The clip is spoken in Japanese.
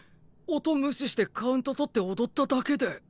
音無視してカウント取って踊っただけで。